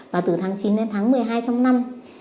và từ tháng chín đến tháng một mươi hai trong năm